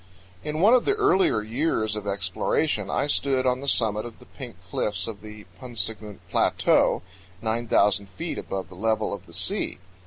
In one of the earlier years of exploration I stood on the summit of the Pink Cliffs of the Paunsagunt Plateau, 9,000 feet above the level of the sea.